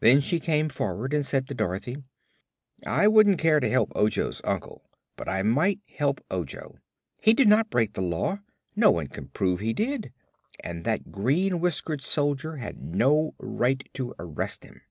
Then she came forward and said to Dorothy: "I wouldn't care to help Ojo's uncle, but I will help Ojo. He did not break the Law no one can prove he did and that green whiskered soldier had no right to arrest him."